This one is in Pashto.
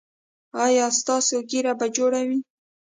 ایا ستاسو ږیره به جوړه وي؟